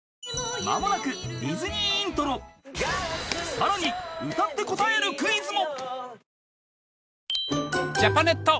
［さらに歌って答えるクイズも］